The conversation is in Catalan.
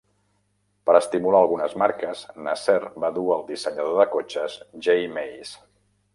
Per estimular algunes marques, Nasser va dur el dissenyador de cotxes J. Mays.